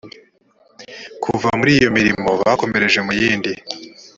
kuva muri iyo mirimo bakomereje muyindi